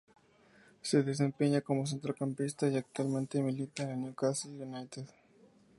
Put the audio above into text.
Se desempeña como centrocampista y actualmente milita en Newcastle United.